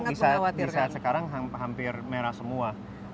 iya sekarang hampir merah semua